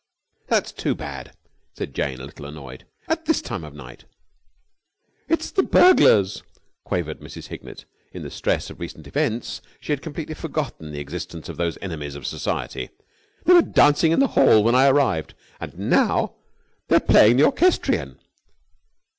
"That's too bad!" said Jane, a little annoyed. "At this time of night!" "It's the burglars!" quavered Mrs. Hignett. In the stress of recent events she had completely forgotten the existence of those enemies of society. "They were dancing in the hall when I arrived, and now they're playing the orchestrion!"